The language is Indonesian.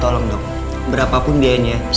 dok tolong dok berapapun biayanya saya akan bayar